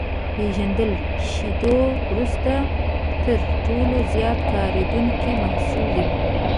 پنېر له شيدو وروسته تر ټولو زیات کارېدونکی محصول دی.